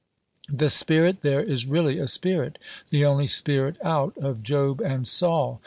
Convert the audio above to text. The Spirit there is really a spirit the only spirit out of Job and Saul.